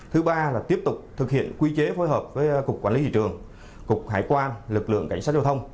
thứ ba là tiếp tục thực hiện quy chế phối hợp với cục quản lý thị trường cục hải quan lực lượng cảnh sát giao thông